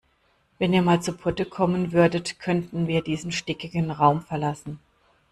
Wenn ihr mal zu Potte kommen würdet, könnten wir diesen stickigen Raum verlassen.